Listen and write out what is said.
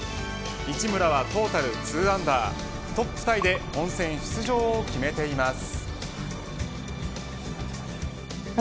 市村はトータル２アンダートップタイで本戦出場を決めています。